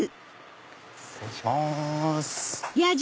失礼します。